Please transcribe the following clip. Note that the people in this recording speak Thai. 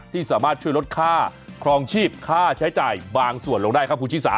ที่สามารถช่วยลดค่าครองชีพค่าใช้จ่ายบางส่วนลงได้ครับคุณชิสา